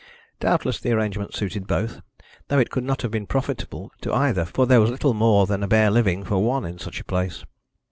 Doubtless the arrangement suited both, though it could not have been profitable to either, for there was little more than a bare living for one in such a place.